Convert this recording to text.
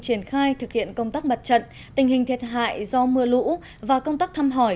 triển khai thực hiện công tác mặt trận tình hình thiệt hại do mưa lũ và công tác thăm hỏi